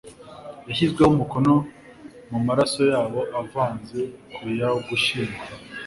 yashyizweho umukono mumaraso yabo avanze ku ya Ugushyingo